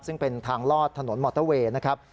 ซึ่งเป็นทางลอดถนนมอเตอร์เวย์นะครับ